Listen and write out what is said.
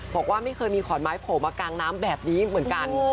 บอกว่าไม่เคยมีขอนไม้โผล่มากลางน้ำแบบนี้เหมือนกัน